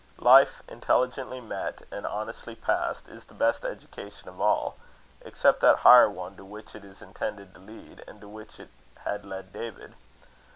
Life intelligently met and honestly passed, is the best education of all; except that higher one to which it is intended to lead, and to which it had led David.